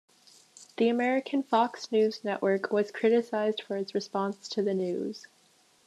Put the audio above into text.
The American Fox News network was criticised for its response to the news.